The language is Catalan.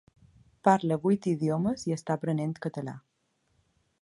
Parla vuit idiomes i està aprenent català.